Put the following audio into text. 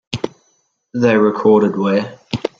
They recorded Where?